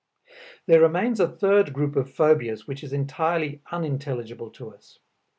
There remains a third group of phobias which is entirely unintelligible to us.